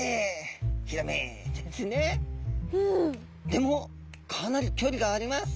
でもかなりきょりがあります！